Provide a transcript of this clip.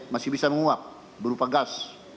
masih bisa menguap berupa gas